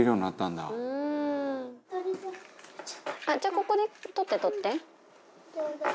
ここで取って取って。